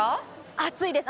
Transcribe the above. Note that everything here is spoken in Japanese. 暑いです。